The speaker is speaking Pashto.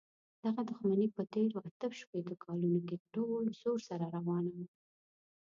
دغه دښمني په تېرو اته شپېتو کالونو کې په ټول زور سره روانه ده.